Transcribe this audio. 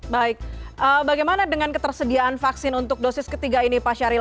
baik bagaimana dengan ketersediaan vaksin untuk dosis ketiga ini pak syahril